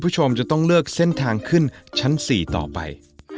ชั้น๔ต่อไป